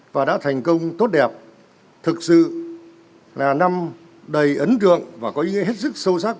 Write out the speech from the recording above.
và đã thành công tốt đẹp thực sự là năm đầy ấn tượng và có ý nghĩa hết sức sâu sắc